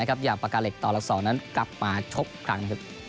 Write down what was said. หย่ามปากกาเล็กตอนลักษณ์๒กลับมาชบครั้ง